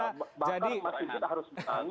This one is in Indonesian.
bahkan mas sigit harus berangin